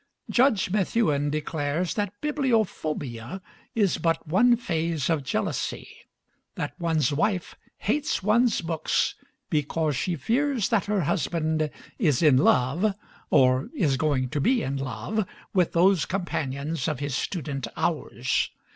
Judge Methuen declares that bibliophobia is but one phase of jealousy; that one's wife hates one's books because she fears that her husband is in love, or is going to be in love, with those companions of his student hours.